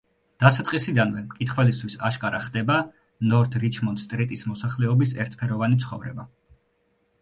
დასაწყისიდანვე მკითხველისთვის აშკარა ხდება ნორთ რიჩმონდ სტრიტის მოსახლეობის ერთფეროვანი ცხოვრება.